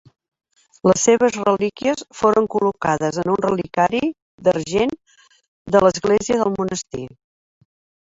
Les seves relíquies foren col·locades en un reliquiari d'argent de l'església del monestir.